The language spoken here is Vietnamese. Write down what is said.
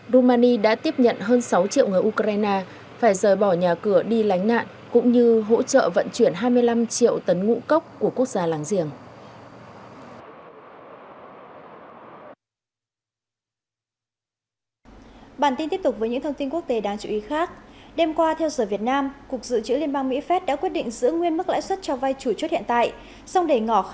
romani đã tiếp nhận hơn sáu triệu người ukraine phải rời bỏ nhà cửa đi lánh nạn cũng như hỗ trợ vận chuyển hai mươi năm triệu tấn ngũ cốc của quốc gia làng giềng